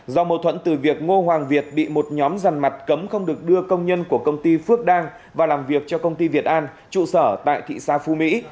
do mâu thuẫn từ việc ngô hoàng việt bị một nhóm rằn mặt cấm không được đưa công nhân của công ty phước đang vào làm việc cho công ty việt an trụ sở tại thị xã phú mỹ